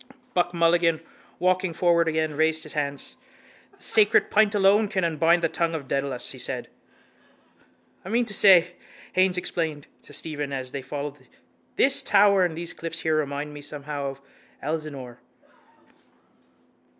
Buck Mulligan, walking forward again, raised his hands. —The sacred pint alone can unbind the tongue of Dedalus, he said. —I mean to say, Haines explained to Stephen as they followed, this tower and these cliffs here remind me somehow of Elsinore.